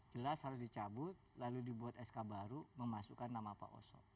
jelas harus dicabut lalu dibuat sk baru memasukkan nama pak oso